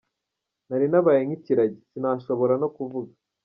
Nari nabaye nk'ikiragi, sinashobora no kuvuga.